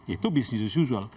itu bisnis as usual